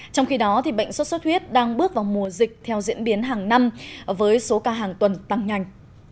trong khi đó bệnh xuất xuất huyết đang bước vào mùa dịch theo diễn biến hàng năm với số ca hàng tuần tăng nhanh